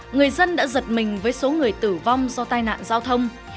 người dân đã giật mình với số người tử vong do tai nạn giao thông